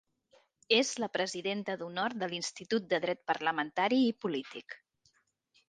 És la Presidenta d'Honor de l'Institut de Dret Parlamentari i Polític.